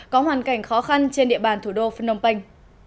có hoàn cảnh khó khăn trên địa bàn thủ đô phnom penh